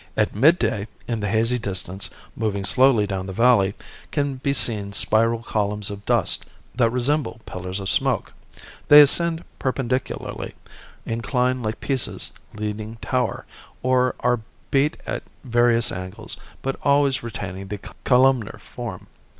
At midday in the hazy distance, moving slowly down the valley, can be seen spiral columns of dust that resemble pillars of smoke. They ascend perpendicularly, incline like Pisa's leaning tower, or are beat at various angles, but always retaining the columnar form.